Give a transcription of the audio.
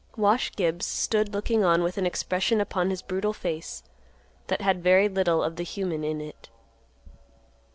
Wash Gibbs stood looking on with an expression upon his brutal face that had very little of the human in it.